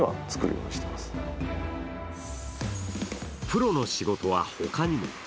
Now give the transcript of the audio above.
プロの仕事は、ほかにも。